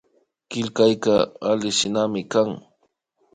Killkayka achikshinami kan